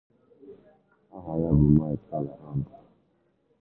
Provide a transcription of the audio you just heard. Aha ya bụ Mike Callahan